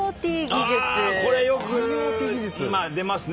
これよく出ますね。